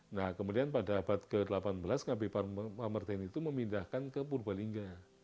nah kemudian pada abad ke delapan belas ngabei pamerdain itu memindahkan ke purbalingga